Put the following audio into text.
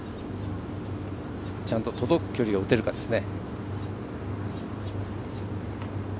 ちゃんと届く距離が打ててるかですね。